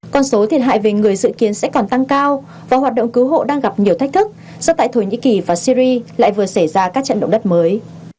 con số thiệt hại về người dự kiến sẽ còn tăng cao và hoạt động cứu hộ đang gặp nhiều thách thức do tại thổ nhĩ kỳ và syri lại vừa xảy ra các trận động đất mới